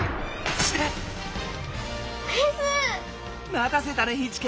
またせたねイチカ。